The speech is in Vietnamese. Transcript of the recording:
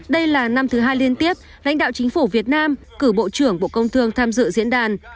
đây là năm thứ hai liên tiếp lãnh đạo chính phủ việt nam cử bộ trưởng bộ công thương tham dự diễn đàn